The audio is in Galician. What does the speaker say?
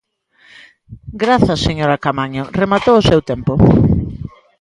Grazas, señora Caamaño, rematou o seu tempo.